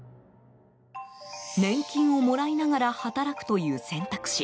年金をもらいながら働くという選択肢。